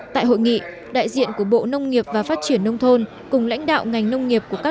tại hội nghị đại diện của bộ nông nghiệp và phát triển nông thôn cùng lãnh đạo ngành nông nghiệp của các